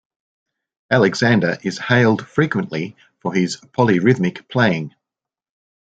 Alexander is hailed frequently for his "polyrhythmic" playing.